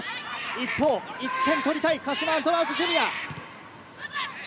一方、１点を取りたい、鹿島アントラーズジュニア。